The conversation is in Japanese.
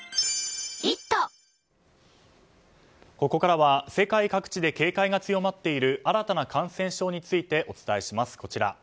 ここからは世界各地で警戒が強まっている新たな感染症についてお伝えします。